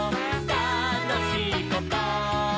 「たのしいこと？」